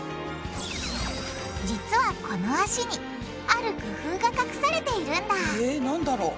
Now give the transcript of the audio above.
実はこの足にある工夫が隠されているんだえなんだろう？